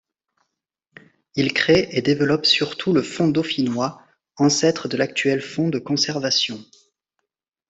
Il crée et développe surtout le fonds dauphinois, ancêtre de l'actuel fonds de conservation.